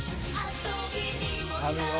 あるよ